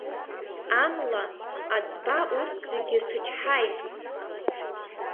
Амла, аӡба урҭ зегьы сычҳаит.